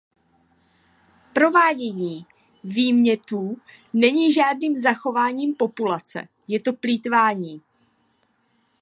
Provádění výmětů není žádným zachováváním populace, je to plýtvání.